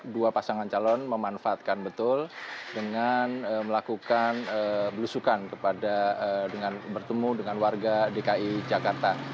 dua pasangan calon memanfaatkan betul dengan melakukan belusukan kepada bertemu dengan warga dki jakarta